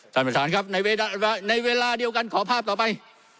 ท่านประธานครับในเวลาเดียวกันขอภาพต่อไป